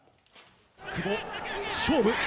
久保、勝負。